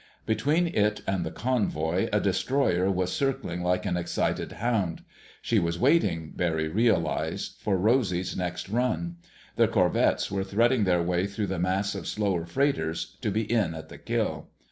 Between it and the convoy, a destroyer was circling like an excited hound. She was waiting, Barry realized, for Rosy's next run. The corvettes were threading their way through the mass of slower freighters, to be in at the kill.